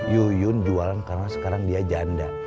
yuyun jualan karena sekarang dia janda